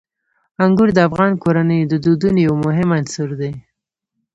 انګور د افغان کورنیو د دودونو یو مهم عنصر دی.